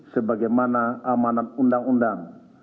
sebagaimana amanat undang undang